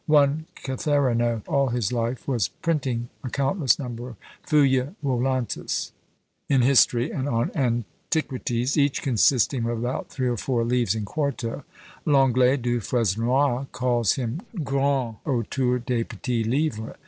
One Catherinot all his life was printing a countless number of feuilles volantes in history and on antiquities, each consisting of about three or four leaves in quarto: Lenglet du Fresnoy calls him "grand auteur des petits livres."